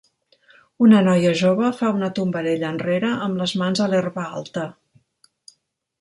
Una noia jove fa una tombarella enrere amb les mans a l'herba alta.